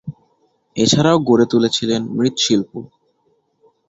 এছাড়াও গড়ে তুলেছিলেন মৃৎশিল্প।